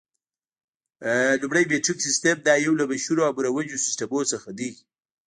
لومړی میټریک سیسټم، دا یو له مشهورو او مروجو سیسټمونو څخه دی.